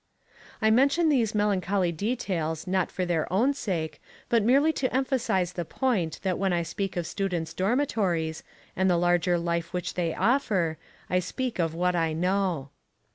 I mention these melancholy details not for their own sake but merely to emphasise the point that when I speak of students' dormitories, and the larger life which they offer, I speak of what I know.